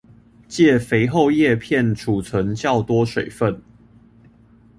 藉肥厚葉片貯存較多水分